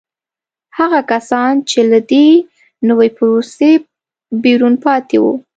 هغه کسان چې له دې نوې پروسې بیرون پاتې وو